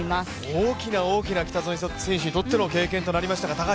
大きな大きな北園選手にとっての経験となりましたが？